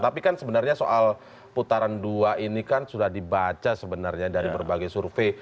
tapi kan sebenarnya soal putaran dua ini kan sudah dibaca sebenarnya dari berbagai survei